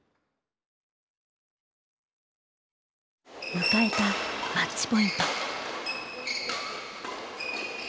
迎えたマッチポイント。